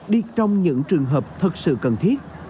đi trong những trường hợp thật sự cần thiết